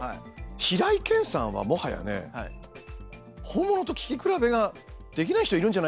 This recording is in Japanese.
平井堅さんはもはやね本物と聞き比べができない人いるんじゃないかなっていうぐらい。